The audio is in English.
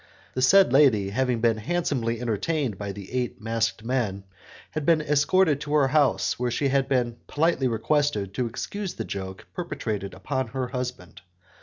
The said lady having been handsomely entertained by the eight masked men, had been escorted to her house, where she had been politely requested to excuse the joke perpetrated upon her husband.